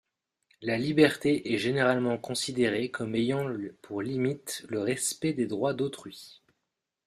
La liberté est généralement considérée comme ayant pour limite le respect des droits d'autrui.